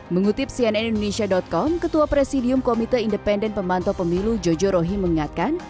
mengutip cnnindonesia com ketua presidium komite independen pemantau pemilu jojo rohi mengatakan